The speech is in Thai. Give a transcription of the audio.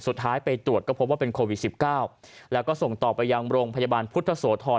สุดท้ายไปตรวจก็พบว่าเป็นโควิด๑๙แล้วก็ส่งต่อไปยังโรงพยาบาลพุทธโสธร